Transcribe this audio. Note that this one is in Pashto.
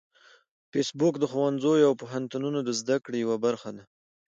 فېسبوک د ښوونځیو او پوهنتونونو د زده کړې یوه برخه ده